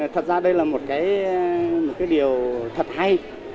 thật ra đây là một cái điều thật hay